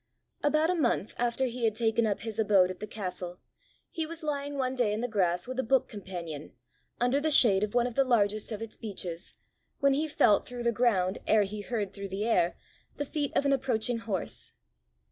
About a month after he had taken up his abode at the castle, he was lying one day in the grass with a book companion, under the shade of one of the largest of its beeches, when he felt through the ground ere he heard through the air the feet of an approaching horse.